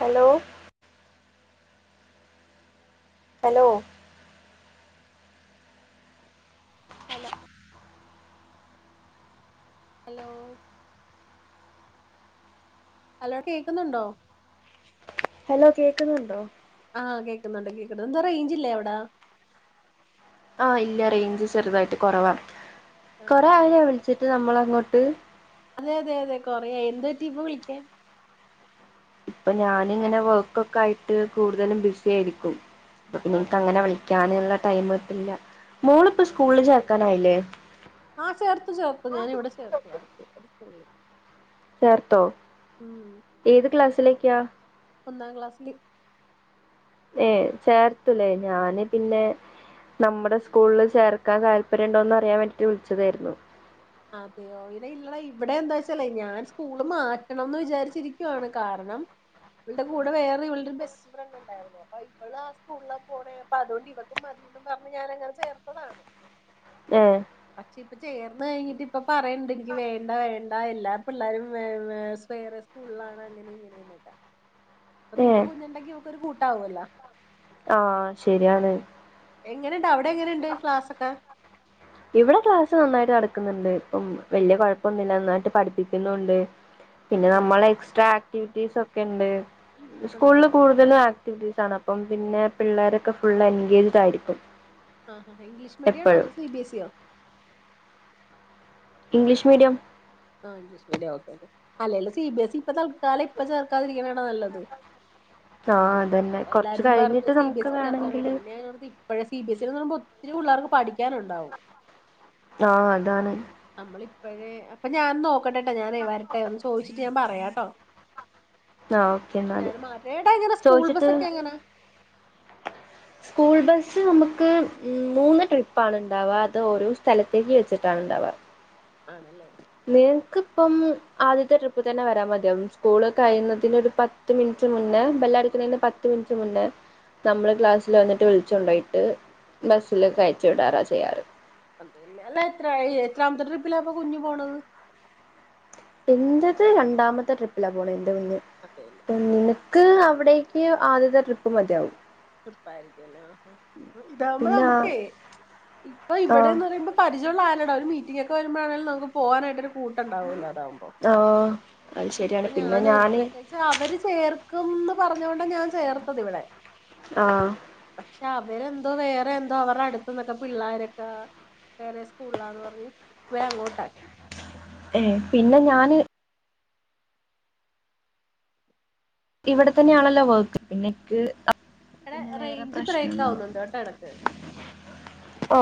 Hello hello hello hello hello കേക്കുന്നുണ്ടോ hello കേക്കുന്നുണ്ടോ ആഹ് കേക്കുന്നുണ്ട് കേക്കുന്നുണ്ട് എന്താ റേഞ്ച്ില്ലേ അവിടെ ആഹ് ഇല്ല റേഞ്ച് ചെറുതായിട്ട് കുറവാാണ് കൊറെ ആഹ് ആ യോ ഓക്കെ വിളിച്ചിട്ട് നമ്മൾ അങ്ങോട്ട് അതെ അതെ അതെ കൊറെയായി എന്താ റ്റീപ്പ വിളിക്കാൻ ഇപ്പൊ ഞാനിങ്ങനെ വർക്കൊക്കെ ആയിട്ട് കൂടുതലും ബിസി ആയിരിക്കും നിനക്ക് അങ്ങനെ അതെല്ലേ വിളിക്ക ിക്കാനുള്ള ടൈ മ് കിട്ടില്ല മോളിപ്പോ സ്കൂളിൽ ചേർക്കാനായില്ലേ ആഹ് ചേർത്തു ചേർത്തു ഞാന് ഇവിടെ ചേർത്തു അടുത്ത് അടുത്തുള്ള സ്‌കൂളിൽ ചേർത്തോ ഉം ഏത് ക്ലാസ്സിലേക്കാ ഒന്നാം ക്ലാസ്സില് ഏ ചേർത്തൂലേ ഞാന് പിന്നെ നമ്മുടെ സ്കൂളിൽ ചേർക്കാൻ താല്പര്യ ഉണ്ടോന്ന് അറിയാൻ വേണ്ടിട്ട് വിളിച്ചതായിരുന്നു അതെയോ ഇടെ ഇല്ലള ഇവിടെ എന്താ വച്ചല്ലേ ഞാൻ സ്കൂള് മാറ്റണംന്ന് വിചാരിച്ചിരിക്കുവാണ് കാരണം ഇവളടെ കൂടെ വേറെ ഇവളടെ ഒരു ബസ്റ്റ് ഫ്രണ്ട് ഉണ്ടായിരുന്നു അപ്പൊ ഇവള് ആ സ്കൂളില പോണ് അപ്പൊ അതോണ്ട് ഇവക്കു മതിന്ന് പറഞ്ഞ് ഞാന അങ്ങനെ ചേർത്തതാണ് ഏഹ് പക്ഷെ ഇപ്പ ചേർന്ന് കഴിഞ്ഞ ഇപ്പ പറയണ്ട് എനിക്ക് വേണ്ട വേണ്ട എല്ല പിള്ളേരുംേവറെ സ്കൂളിലാണ് അങ്ങനെ ഇങ്ങനെയൊന്നുല്ല അപ്പൊ നിന്റെ ഏഹ് കുഞ്ഞുണ്ടെങ്കി ഇവൾക്കൊരു കൂട്ട ആാവല്ലോ ആഹ് ശരിയാണ് എങ്ങനെണ്ട് അവിടെ എങ്ങനെണ്ട് ക്ലാസ് ഒക്കെ ഇവിടെ ക്ലാസ് നന്നായിട്ട് നടക്കുന്ന്ണ്ട്. ഇപ്പം വല്യ കൊഴപ്പൊന്നുല്ല. നന്നായിട്ട് പഠിപ്പിക്കുന്നുണ്ട്. പിന്നെ നമ്മൾ ആണല്ലേ എക്സ്ട്രാ ആക്ടിവിറ്റീസ് ഒക്കെ ഇണ്ട്. സ്കൂള് ള് ഉണ്ടല്ലേ കൂടുതലും [unintelligible] ആക്ടീസ് ആണ്. അപ്പം പിന്നെ പിള്ളേരൊക്കെ ഫുള്ള് എൻഗേജ്ഡ് ആയിരിക്കും. ആഹാ ഇംഗ്ലീഷ് മീഡിയം ആണൊ എപ്പഴും അതോ C B S E [unintelligible] English medium. ആ ഇഗ്ലീഷ് മേഡിയം ഓക്കെ അല്ലേലും സി ബി എസ് ഇ ഇപ്പ തൽക്കാലം ഇപ്പ ചേർക്കാതിരിക്ക്ണാ ട്ടൊ നല്ലത് ആഹ് അതന്നെ കൊറച്ച് എല്ലാരും പറ്ഞ്ഞു. കഴിഞ്ഞിട്ട് സി ബി നമുക്ക് എസ് ഇ വേണെങ്കില് ചേർക്കാനായിട്ട് പിന്നെ ഞ പഴേ സി ബി എസ് ഇ പറ് [unintelligible] പ ഒത്തിരി പുള്ളേർക്ക് പഠിക്കാന്ണ്ടാവും. ആഹ് അതാണ് അമ്മളിപ്പഴേ അപ്പൊ ഞാൻ നോക്കെട്ടൊട്ടോ ഞാനേ വരെട്ടെ ഒന്ന് ചോദിച്ചിട്ട് ഞാൻ പറയാട്ടോ. ആഹ് ഓക്കെ എന്നാല് ഞാൻ മാറ്റയുടെ എട എങ്ങന സ്കൂൾ ചോദിച്ചിട്ട് ബസ്സ് ഒക്കെ എങ്ങന. സ്കൂൾ ബസ്സ് നമുക്ക് മൂന്ന് ട്രിപ്പ ആണ് ബണ്ടാവ. അത് ഓരോ സ്ഥലത്തേക്ക് വെച്ചിട്ടാണ് ഇണ്ടാവ ആണെല്ലേ നിനക്ക് ഇപ്പം ആദ്യത്തെ ട്രിപ്പ് തന്നെ വരാ മത്യാവും. സ്കൂള് കഴിയുന്നതിനന് ഒരു പത്ത് ത്ത് മിനിറ്റ് മുന്നെ ബെല്ല അടിക്ക് ണേന്റെ പത്ത് മിൻറ്റ് മുന്നെ നമ്മള് ക്ലാസ്സിൽ വന്നിട്ട് വിളിച്ചു കൊണ്ടോയിട്ട് ബസ്സില് കയറ്റി വിടാറാ ചെയ്യാറ്. അത [unintelligible] അല്ല എത്ര എത്രാമത്തെ ട്രിപ്പിലാപ്പ കുഞ്ഞു പോണത്. എന്റെത് രണ്ടാമത്തെ ട്രിപ്പിലാ പോണെ എൻ്റെ കുഞ് അതേല്ലെ നിനക്ക് അവിടേക്ക് ആദ്യത്തെ ട്രിപ്പ് മതിയാവും. തൃപ്പായിരിക്കെലേ ആഹ് ഇതാകുമ്പ പിന്നെ നമക്കേ ആഹ് ഇപ്പൊ ഇവിടേന്ന് പറയുമ്പം. പരിചയുള്ള ആരടാ ഒര് മീറ്റിങ്ങെക്കെ വരുമ്പോ ആണെലും നമുക്ക് പോവാനായിട്ട് ഒരു കൂട്ടണ്ടാവൊല്ലോ അതാവുമ്പോ ആഹ് അത് ഇപ്പൊ ശരിയാണ് പിന്നെ ഞൻ ഞാന് ഒറ്റക്ക ക്ഷെ അവര് ചേർക്കുംന്ന് പറഞ്ഞോണ്ട ഞാൻ ചേർത്തത് ഇവിടെ. ആഹ് പക്ഷെ അവരെന്തോ വേറെ എന്തോ അവർടെ അടുത്ത്ന്നൊക്കെ പിള്ളാരൊക്കാ. വേറെ സ്കൂൾലാന്ന് പറഞ്ഞ് വേം അങ്ങോട്ടാക്കി. ഏഹ് പിന്നെ ഞാൻ ഇവിടെ തന്നെ ആണൊല്ലോ വർക്ക് പിന്നെ ഇക്ക് അ എടാ പിന്നെ വേറെ റേഞ്ച് ബ്രേക്ക് ആവുന്നുണ്ട് പ്രശ്നങ്ങളുണ്ട് കേട്ടോ ഇടക്ക് ഓ.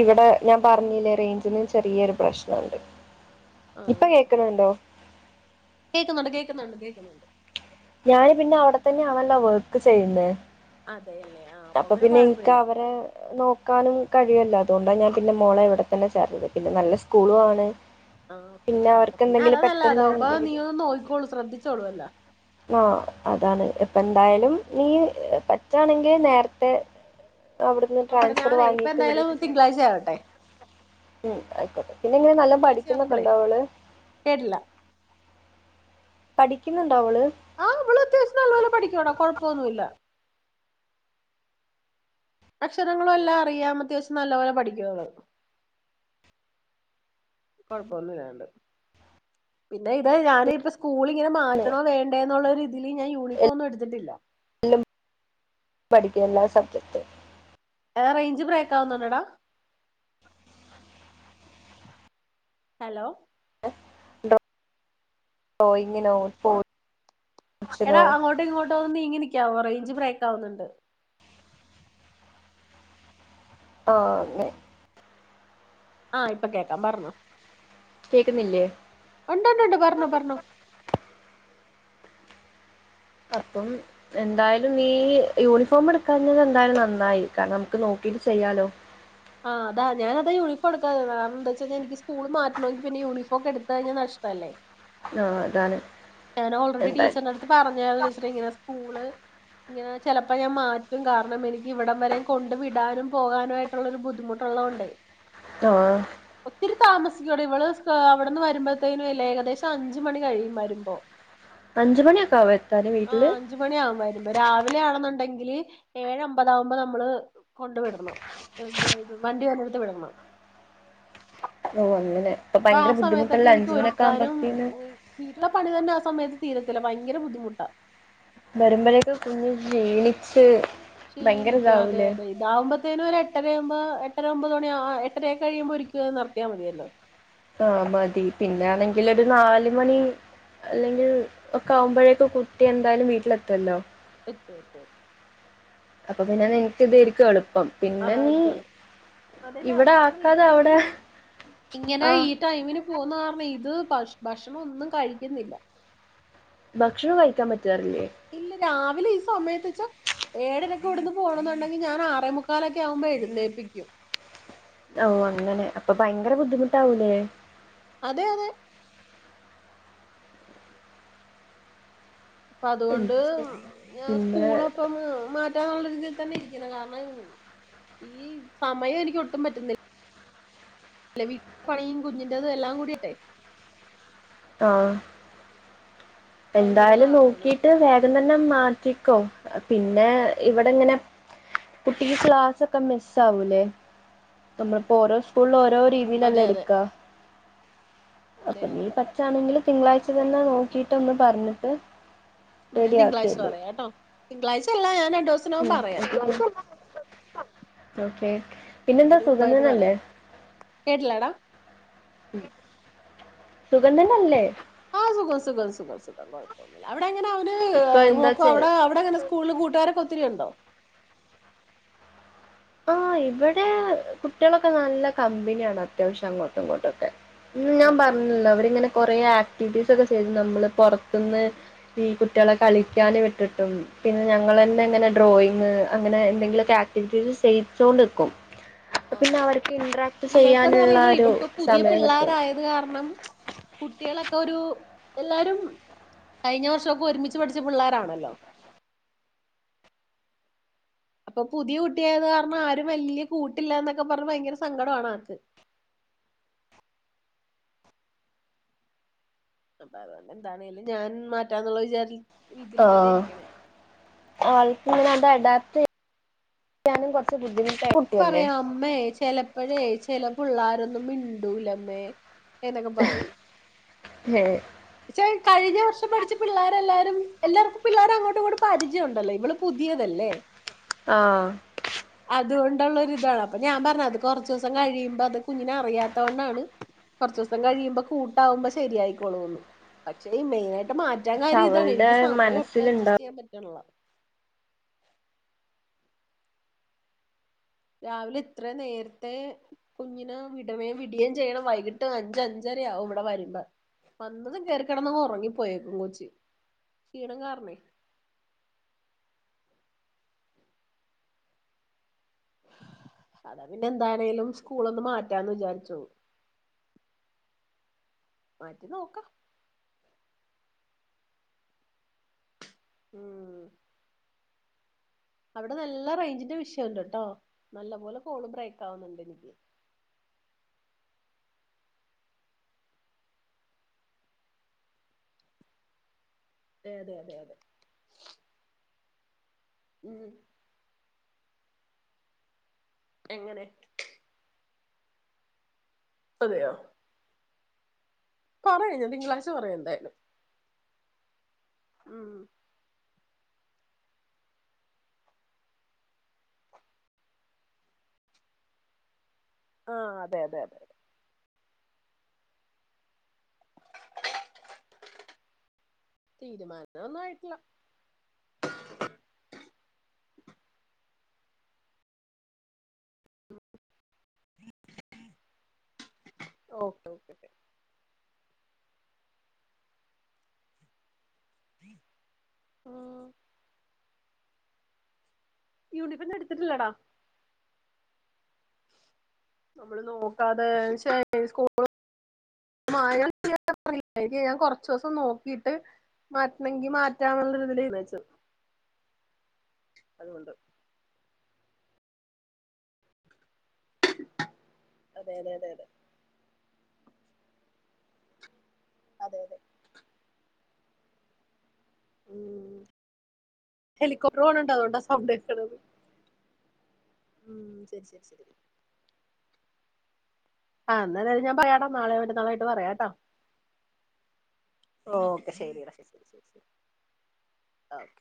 ഇവടെ ഞാൻ പറഞ്ഞില്ലേ. റേയ്ഞ്ചിന് ചെറ്യേയൊരു പ്രശ്ന ഉണ്ട് ഇപ്പൊ ആഹ് കേക്ക്ണ് ണ്ടോ കേക്കുന്നുണ്ട് കേക്കുന്നുണ്ട് കേക്കുന്നുണ്ട് ഞാന് പിന്നെ അവിടെത്തന്നെയാണല്ലോ വർക്ക് ചെയ്യുന്നെ. അതേല്ലേ അപ്പ പിന്നെ ഇൻക്ക് അവരെ നോ ക്കാനും കഴിയലൊ അതുകോണ്ടാ ഞാൻ പിന്നെ മോളെ ഇവിടെ തന്നെ ചേർത്തിയത് പിന്നെ നല്ല സ്കൂളു ആണ്. ആഹ് പിന്നെ അപ അവർക്ക് പിന്നെ എന്തെങ്കിലും അതാ നല്ല പെട്ടെന്ന് അതാവുമ്പോ എന്തെങ്കിലും നീയോ ഒന്ന് നോക് ക്കോളു ശ്രദ്ധിച്ചോളൂ അല്ലാ. ആഹ് അതാണ്. ഇപ്പന്തായാലും നീ പറ്റാണെങ്കി നേര്ത്തെ അവിടുന്ന് നോക്കട്ടെ ട്രാൻസ്ഫർ ഞാനേ ഇപ്പ വാങ്ങീട്ട് ഇവിടേക്ക് എന്തായാലും തിങ്കളാഴ്ച ചേർത്തണം. ആവട്ടെ ഉം ആയിക്കോട്ടെ. പിന്നെ എങ്ങനെ നല്ലം പഠിക്കുന്നോക്കെ ഉണ്ടോ അവള്. കേട്ട്ല്ല പഠിക്കിന്നുണ്ടോ അവള് ആഹ് ഇവള് അത്യാവശ്യം നല്ല പോലെ പഠിക്ക്യോട കൊഴപ്പോന്നുല്ല. അക്ഷരങ്ങളും എല്ലാം അറിയാം അത്യാവശ്യം നല്ലപോലെ പഠിക്കു അവള്. കോഴപ്പോന്നില്ലാണ്ട് പിന്നെ ഇതാ ഞാനിപ്പ സ് കൂളിങ്ങനെ മാറ്റണോ വേണ്ടെ എന്നുള്ള ഒരു ഇതിൽ ഞാൻ യൂണിഫോം എടുത്തിട്ടില്ല. എല്ലാം [unintelligible] പഠിക്കുന്ന സബ്ജക്ട്. റെയ്ഞ്ച് ബ്രേക്ക് ആവുന്നുണ്ടെടാ. ഹലോ [inaudible] എടാ ഫംഗ്ഷനോ അങ്ങോട്ടോ ഇങ്ങോട്ടോ ഒന്ന് നീങ്ങിനിക്ക്യവോ റേഞ്ച് ബ്രേക്കാവുന്നുണ്ട് ആഹ് ങ്ങേ ആഹ് ഇപ്പോ കെക്കാം പറഞ്ഞോ കെക്ക്ന്നില്ലെ ഉണ്ട്ണ്ടുണ്ട് പറഞ്ഞോ പറഞ്ഞോ അർപ്പം എന്തായാലും നീ യൂണിഫോം എടുക്കാഞ്ഞത് എന്തായാലും നന്നായി കാരണം നമുക്ക് നോക്കീട്ട് ചെയ്യാലോ ആഹ് അതാ ഞാനതാ യണിഫോം എടുക്കാത കാര്ണം എന്തച്ച കഴിഞ്ഞ എനിക്ക് സ്കൂൾ മാറ്റണങ്കി പിന്നെ യൂണഫോക്കെ എടുത്ത് കഴിഞ്ഞാ നഷ്ടല്ലേ ആഹ് അതാണ് ഞാൻ ഓൾറെഡി എന്തായാലും ടീച്ചറിന്റെ അടുത്ത് പറഞ്ഞാരുന്നു ടീച്ചർ ഇങ്ങനെ സ്കൂള് ഇങ്ങനെ ചെലപ്പോ ഞാൻ മാറ്റും കാരണം എനിക്ക് ഇവിടം വരെ കോണ്ട് വിടാനും പോകാനും ആയിട ട്ടുള്ള ഒരു ബദ്ധിമുട്ടുള്ളോണ്ടെ ആഹ് ഒത്തിരി താമസിക്കോടി ഇവള് സ്‌ക അവിടുന്ന് വരുമ്പോഴത്തേനുല്ലെ ഏകദേശം അഞ്ച് മണി കഴിയും വരുമ്പോ അഞ്ച് മണിയോക്കാവും എ ആഹ് അഞ്ച് മണിയാവും വരുമ്പോ രാവിലെ ആണെന്നുണ്ടെങ്കില് ഏഴ അമ്പതാകുമ്പോ നമ്മള് കോണ്ട് വിടണം ഇത് ഇത് വണ്ടി വരുന്നെടുത്ത് വിടണം ഓ അങ്ങനാ ഇപ്പൊ അപ്പൊ ആ ഭയങ്കര സമയത്തൊക്കെ ബുദ്ധിമുട്ടുള്ള എനിക്ക് അഞ്ച് മണിയൊക്കെ ഒരുക്കാനും ആവുമ്പത്തിന് ഈ വീട്ടിലെ പണി തന്നെ ആ സമയത്ത് തീരത്തില്ല ഭയങ്കര ബുദ്ധിമുട്ടാ വരുമ്പഴേക്ക് കുഞ്ഞ് ക്ഷീണിച്ച് ഭയങ്കര ഇതാവൂലേ ഇതാവുമ്പത്തിന് ഒരു എട്ടരയാമ്പോ എട്ടര ഒമ്പത് മണി ആഹ് എട്ടരയക്കെ കഴിയുമ്പോ ഒരിക്കെ നടത്തിയാ മതിയല്ലോ ആഹ് മതി പിന്നാണെങ്കിൽ ഒരു നാല് മണി അല്ലെങ്കിൽ ഒക്കെ ആവുമ്പഴേക്ക് കുട്ടി എന്തയാലും വീട്ടിലെത്തുവല്ലോ എത്തും എത്തും അപ്പൊ പിന്നെ നിങ്ങക്ക് ഇതേര്ക്കു എളുപ്പം പിന്നെ നീ അതായിരിക്കും എളുപ്പം അതല്ല ഇവിടെ അന്ന് തൊട്ട് ആക്കാതെ നിക്കേലി അവിടെ ആ ഇങ്ങനെ ഈ ടൈമിന് പോവുന്ന കാരണം ഇത് ബഷ് ഭക്ഷണം ഒന്നും കഴിക്കുന്നില്ല ഭക്ഷണം കഴിക്കാ പറ്റാറില്ലേ ഇല്ല രാവിലെ ഈ സമയത്ത്ച്ചാ ഏഴരക്ക് ഇവട്ന്ന് പോണം എന്നുണ്ടെങ്കി ഞാൻ ആറേ മുക്കാലൊക്കെ ആവുമ്പോ എഴുന്നേപ്പിക്കും ഓ അങ്ങനെ അപ്പൊ ഭയങ്കര ബുദ്ധിമുട്ടാവൂലേ അതെ അതെ അപ്പൊ അതുകൊണ്ട് എന്ത് ചെയ്യാ? ഞാൻ പിന്നെ സ്കൂള് വിട്ട് വന്ന് മാ റ്റാനുള്ള രീതിയിൽ തന്നെ ഇരിക്ക്ണേ കാരണം ഈ സമയെനിക്ക് ഒട്ടും പറ്റുന്നി ല്ല വീട്ട് പണീ കുഞ്ഞിന്റെതല്ലാം കൂടിയിട്ടെ ആഹ് ഭയങ്കര എന്തായാലും പാടാണ് നോക്കിട്ട് വേഗം തന്നെ മാറ്റിക്കോ പിന്നെ ഇവടെങ്ങനെ കുട്ടിക്ക് ക്ലാസൊക്കെ മിസ്സാവുലെ നമ്മള്പ്പോ ഓരോ സ്കൂള് ഓരോ രീ അതെ രീതീലല്ലേ അതെ എടുക്കാ അതെ അപ്പൊ നീ അതെ പറ്റാണെങ്കില് തിങ്കളാഴ്ച തന്നെ നോക്കിട്ട് ഒന്ന് പറഞ്ഞ്ട്ട് ഉം ഞാൻ തിങ്കളാഴ്ച പറയാട്ടോ തിങ്കളഴചല്ല ഞാൻ രണ്ടോസ് ഉം [inaudible] ഓക്കെ പിന്നെന്താ അതിന് സുഖം മുമ്പായിട്ട് തന്നല്ലേ പറയാം കേട്ടില്ലേടാ ഉം സുഖം തന്നല്ലേ ആഹ് സുഖം സുഖം സുഖം സുഖം കുഴപ്പൊന്നില്ല അവിടെങ്ങന അവന് ഏ ഇപ്പൊ എന്താ നോക്കൊ ചെ അവിടെ അവിടെങ്ങനെ സ് സ്കൂളില് കൂട്ടുകാരൊക്കെ ഒത്തിരി ഉണ്ടോ ആഹ് ഇവിടേ കുട്ടികളൊക്കെ നല്ല കമ്പ്നിയാണ് അത്യാവശ്യം അങ്ങോട്ടും ഇങ്ങോട്ടൊക്കെ ഇന്ന് ഞാൻ അതെ പറഞ്ഞല്ലോ അവരിങ്ങനെ കൊറെേ ആക്ടിവിറ്റീസ് ഒക്കെ ചെയ്ത് നമ്മള് പൊറത്ത്ന്ന് ഈ കുട്ടികളെ കളിക്കാന് വിട്ടിട്ടും പിന്നെ ഞങ്ങളെന്നെ ഇങ്ങനെ ഡ്രോയിങ് അങ്ങനെ എന്തെങ്കിലുംഒക്കെ ആ ക്ടിവിറ്റീസ് ചെയ്യിച്ചോണ്ട് നിക്കും അപ്പൊ ആഹ് പിന്നെ അതെ അവർക്ക് ഇന്ററാക്ട് ഇവൾക്കന്ന് ചെയ്യാനുള്ള പറയുമ്പോ ഒരു ഇവളിപ്പോ പുതിയ സമയം കിട്ടും പിള്ളാരായത് കാരണം കുട്ടിയളൊക്കെ ഒരു എല്ലാരും കഴിഞ്ഞ വർഷൊക്കെ ഒരുമിച്ച് പഠിച്ച പിള്ളാരാണല്ലോ അപ്പൊ പുതിയ കുട്ടിയായത് കാരണം ആരും വല്ല്യ കൂട്ടില്ല എന്നൊക്കെ പറഞ്ഞ് ഭയങ്കര സങ്കട ആണ് ആക്ക് അപ്പൊ അതുകൊണ്ട് എന്താണേലും ഞാൻ മാറ്റാന്നുള്ള വിചാരി ഇതിൽ തന്നെ ആഹ് ഇരിക്കണേ ആൾക്കങ്ങനത് അഡാപ്റ്റ് യ്യാനും കുറച്ച് ബുദ്ധിമുട്ടായി ഭു പറയാ അമ്മേ ചെലപ്പഴേ ചെല പിള്ളാരൊന്നും മിണ്ടൂലമ്മേ ഏഹ് ന്നൊക്കെ പറയും ഏഹ് പച്ചേ കഴിഞ്ഞ വർഷം പഠിച്ച പിള്ളാരെല്ലാരും എല്ലാവർക്കും പിള്ളാരങ്ങോട്ടും ഇങ്ങോട്ടും പരിചയം ഉണ്ടല്ലോ ഇവള് പുതിയതല്ലേ ആഹ് അതുകൊണ്ടള്ളരു ഇതാണ് അപ്പൊ ഞാൻ പറഞ്ഞ് അത് കൊറച്ച്സം കഴിയുമ്പോ അത് കുഞ്ഞിനെ അറിയാത്തോണ്ടാണ് കൊറച്ച്സം കഴിയുമ്പോ കൂട്ടാവുമ്പോ ശരിയായിക്കോളൂന്ന് പക്ഷേ മെയിനായി ട്ട് മാറ്റാ പക്ഷെ കാര്യം ഇതാണ് അവളുടെ എനിക്ക് സമയം ഒട്ട് മനസ്സിലുണ്ട് അഡ്ജസ്റ്റ് ചെയ്യാൻ പറ്റ്ൺള രാവിലെ ഇത്ര നേരത്തെ കുഞ്ഞിന് വിടമേയും വിടിയം ചെയ്യണം വൈകിട്ട് അഞ്ച അഞ്ചരയാവും ഇവിടെ വരുമ്പോ വന്നതും കേറിക്കടന്ന് ഉറങ്ങിപ്പോയേക്കും കൊച്ചി ക്ഷീണം കാരണേ അതാ പിന്നെ എന്താണേലും സ്കൂള് ഒന്ന് മാറ്റാന്ന് വിചാരിച്ചോ മാറ്റി നോക്ക ഉം അവിടെ നല്ല റേഞ്ചിന്റെ വിഷയുണ്ട്ട്ടോ നല്ല പോലെ കോള് ബ്രേക്ക് ആവുന്നുണ്ട് എനിക്ക് അതെ അതെ അതെ അതെ ഉം എങ്ങനെ പ്പം സെരിയാവു പറയാ ഞാ തിങ്കളാഴ്ച പറയ ന്തായാലു ഉം ആഹ് അതെ അതെ അതെ തീരുമാനൊന്നും ആയിട്ടില്ല ഓക്കെ ഓക്കെ ആഹ് യൂണിഫിന്ന് എടുത്തിട്ടില്ലെടാ നമ്മള് നോക്കാതെ ഷേ [inaudible] മായ [inaudible] കൊർച്ചോസം നോക്കിട്ട് മാറ്റണങ്കി മാറ്റാന്നുള്ളതിലന്ന് വച്ച അതുകൊണ്ട് അതെ അതെ അതെ അതെ അതെ അതെ ഉം ഹെലികോപ്റ്റർ പോണണ്ട അതുകൊണ്ടാ സൗണ്ടേക്കുന്നത് ഉം ശരി ശരി ശരി ആഹ് ന്നാലെ ഞാൻ പറയാട്ട നളൊയിട്ട മറ്റനാളായിട്ട് പറയാട്ടോ ഓക്കെ ശരി റശ ശരി ശരി ശരി ഓകെ